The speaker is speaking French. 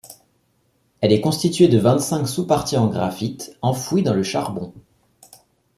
Elle est constituée de vingt-cinq sous-parties en graphite enfouies dans le charbon.